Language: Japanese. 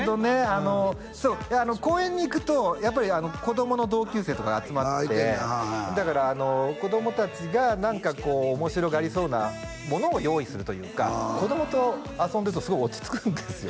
あのそう公園に行くとやっぱり子供の同級生とかが集まってああいてんねんはいはいだから子供達が何かこう面白がりそうなものを用意するというか子供と遊んでるとすごい落ち着くんですよね